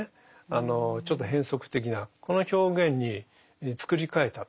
あのちょっと変則的なこの表現に作り替えた。